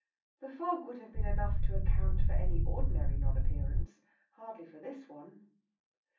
The fog would have been more than enough to account for any ordinary non appearance; hardly for this one.